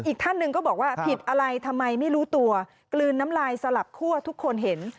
อีกท่านหนึ่งก็บอกว่าผิดอะไรทำไมไม่รู้ตัวกลืนน้ำลายสลับคั่วทุกคนเห็น